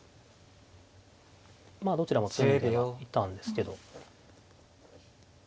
まあどちらも詰んではいたんですけど。